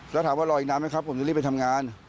แล้วถามว่ารออีกนานไหมครับผมจะรีบไปทำงาน